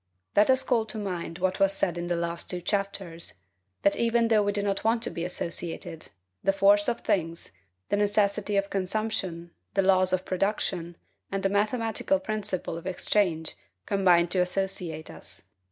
Let us call to mind what was said in the last two chapters, That even though we do not want to be associated, the force of things, the necessity of consumption, the laws of production, and the mathematical principle of exchange combine to associate us.